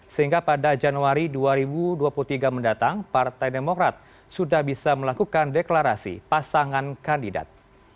sehingga pada januari dua ribu dua puluh tiga mendatang partai demokrat sudah bisa melakukan deklarasi pasangan kandidat